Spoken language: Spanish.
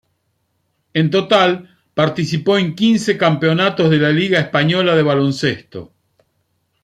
En total, participó en quince campeonatos de la Liga española de baloncesto.